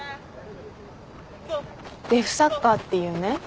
デフサッカーっていうね